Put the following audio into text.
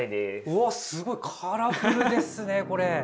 うわっすごい！カラフルですねこれ！